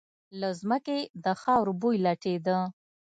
له ځمکې د خاورو بوی لټېده.